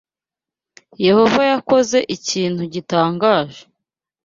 Yehova yakoze ikintu gitangaje